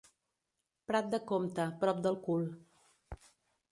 Prat de Comte, prop del cul.